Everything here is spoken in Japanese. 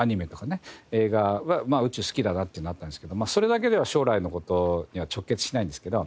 映画は宇宙好きだなっていうのはあったんですけどそれだけでは将来の事には直結しないんですけど。